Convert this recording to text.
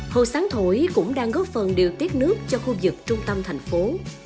hồ sáng thổi cũng đang góp phần điều tiết nước cho khu vực trung tâm thành phố